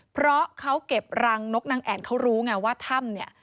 เพราะเขาเก็บรังนกนางแอ่นเขารู้ไงว่าถ้ำเนี่ย